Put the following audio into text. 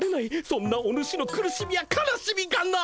そんなお主の苦しみや悲しみがな！